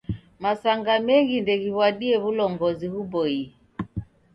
Masanga mengi ndeghiw'adie w'ulongozi ghuboie.